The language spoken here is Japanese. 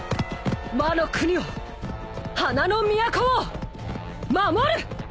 ワノ国を花の都を守る！